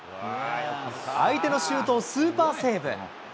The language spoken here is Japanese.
相手のシュートをスーパーセーブ。